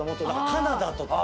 カナダとか。